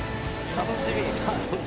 楽しみ。